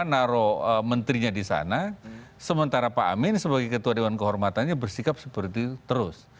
naruh menterinya di sana sementara pak amin sebagai ketua dewan kehormatannya bersikap seperti itu terus